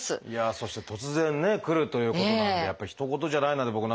そして突然ね来るということなんでひと事じゃないなって僕なんかは。